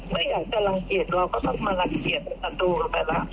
ไม่อยากจะรังเกียจเราก็ต้องมารังเกียจในศัตรูกันไปแล้ว